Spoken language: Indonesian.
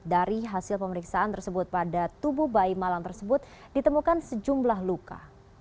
dari hasil pemeriksaan tersebut pada tubuh bayi malam tersebut ditemukan sejumlah luka